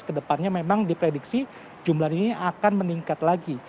kedepannya memang diprediksi jumlah ini akan meningkat lagi